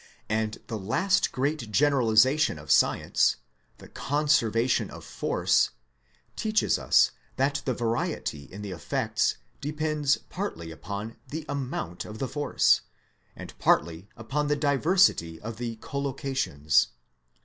And the last great generalization of science, the Conservation of Force, teaches us that the variety in the effects depends partly upon the amount of the force, and partly upon the diversity of the collocations.